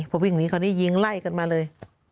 พอวิ่งหนีคราวนี้ยิงไล่กันมาเลย